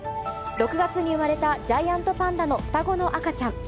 ６月に産まれたジャイアントパンダの双子の赤ちゃん。